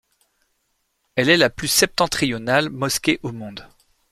Elle est la plus septentrionale mosquée au monde.